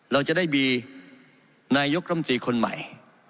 เราจะได้มีนายกรมตรีคนใหม่